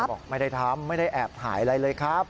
บอกไม่ได้ทำไม่ได้แอบถ่ายอะไรเลยครับ